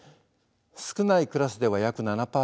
少ないクラスでは約７％。